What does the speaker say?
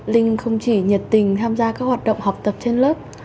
linh không chỉ nhiệt tình tham gia các hoạt động học tập trên lớp